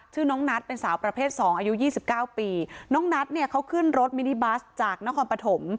น้องนัทเป็นสาวประเภทสองอายุยี่สิบเก้าปีน้องนัทเนี่ยเขาขึ้นรถมินิบัสจากนครปฐม